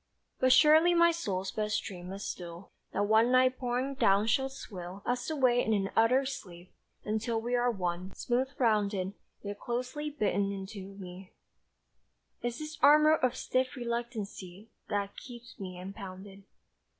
But surely my soul's best dream is still That one night pouring down shall swill Us away in an utter sleep, until We are one, smooth rounded. Yet closely bitten in to me Is this armour of stiff reluctancy That keeps me impounded.